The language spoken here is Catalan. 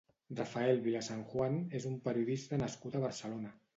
Rafael Vilasanjuan és un periodista nascut a Barcelona.